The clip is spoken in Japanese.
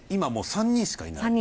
３人しかいない。